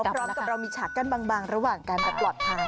พร้อมกับเรามีฉากกั้นบางระหว่างการจะปลอดภัย